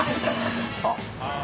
あっ。